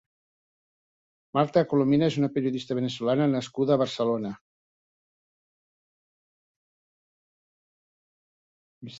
Marta Colomina és una periodista -veneçolana nascuda a Barcelona.